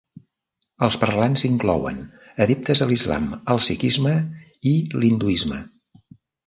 Els parlants inclouen adeptes a l'Islam, el Sikhisme i l'Hinduisme.